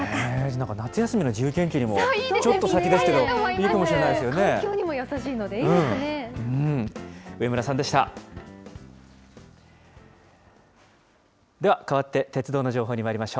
なんか夏休みの自由研究にも、ちょっと先ですけど、いいかもし環境にも優しいのでいいです上村さんでした。